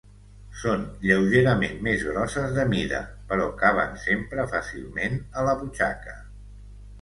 Són lleugerament més grosses de mida, però caben sempre fàcilment a la butxaca.